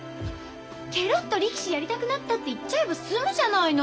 ケロッと力士やりたくなったって言っちゃえば済むじゃないの。